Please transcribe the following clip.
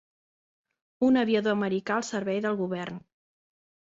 Un aviador americà al servei del Govern